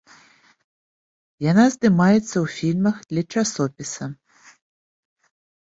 Яна здымаецца ў фільмах для часопіса.